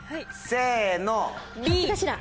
せの。